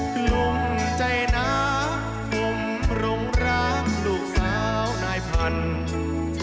ดวงใจหนาผมหลงรักลูกสาวนายพันธุ์